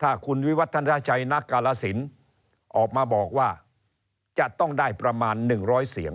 ถ้าคุณวิวัฒนาชัยนักกาลสินออกมาบอกว่าจะต้องได้ประมาณ๑๐๐เสียง